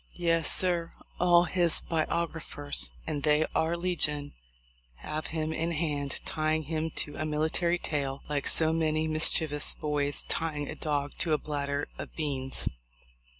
Yes, sir, all his biographers (and they are legion) have him in hand, tying him to a military tail, like so many mischievous boys tying a dog to a bladder of beans.